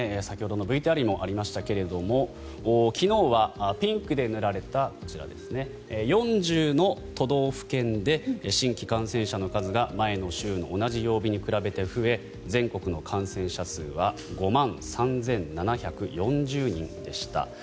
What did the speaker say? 先ほどのＶＴＲにもありましたが昨日はピンクで塗られたこちら４０の都道府県で新規感染者の数が前の週の同じ曜日に比べて増え全国の感染者数は５万３７４０人でした。